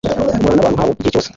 Nkorana nabantu nkabo igihe cyose